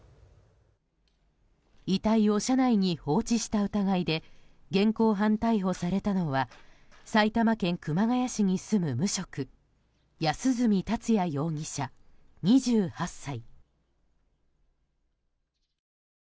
遺体を車内に放置した疑いで現行犯逮捕されたのは埼玉県熊谷市に住む無職安栖達也容疑者、２８歳。